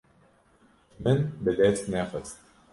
Min bi dest nexist.